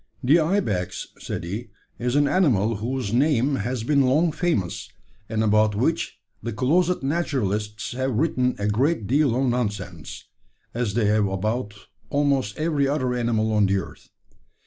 "The ibex," said he, "is an animal whose name has been long famous, and about which the closet naturalists have written a great deal of nonsense as they have about almost every other animal on the earth.